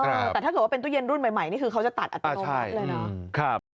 แต่ถ้าเกิดว่าเป็นตู้เย็นรุ่นใหม่นี่คือเขาจะตัดอัตโนมัติเลยเนาะ